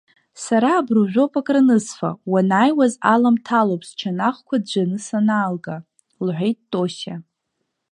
Сара абружәоуп акранысфа, уанааиуаз аламҭалоуп счанахқәа ӡәӡәаны санаалга, — лҳәеит Тосиа.